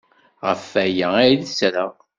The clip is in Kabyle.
Ɣef waya ay d-ttreɣ!